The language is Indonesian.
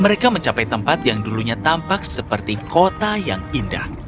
mereka mencapai tempat yang dulunya tampak seperti kota yang indah